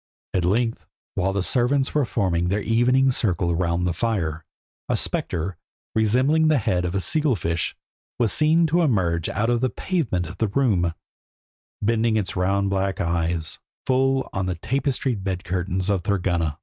At length, while the servants were forming their evening circle round the fire, a spectre, resembling the head of a seal fish, was seen to emerge out of the pavement of the room, bending its round black eyes full on the tapestried bed curtains of Thorgunna.